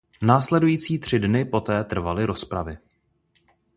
Následující tři dny poté trvaly rozpravy.